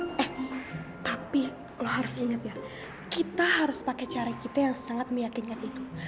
tapi lo harus inget ya kita harus pakai cara kita yang sangat meyakinkan itu